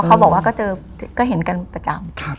เขาบอกว่าก็เห็นกันประจำ